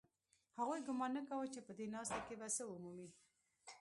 هغوی ګومان نه کاوه چې په دې ناسته کې به څه ومومي